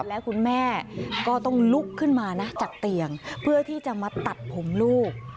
และคุณแม่ก็ต้องลุกขึ้นมานะจากเตียงเพื่อที่จะมาตัดผมลูก